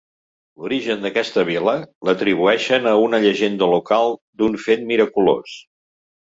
L'origen d'aquesta vila l'atribueixen a una llegenda local d'un fet miraculós.